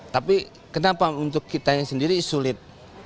tapi kenapa untuk kita yang sendiri sulit